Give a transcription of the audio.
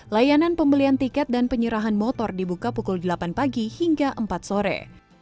layanan pembelian tiket dan penyerahan motor dibuka pukul delapan pagi hingga empat sore